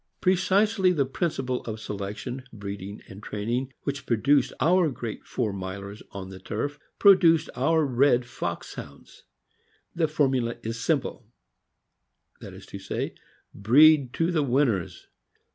Precisely the principle of selection, breeding, and train ing which produced our great four milers on the turf, pro duced our red fox Hounds. The formula is simple, viz. : Breed to the winners.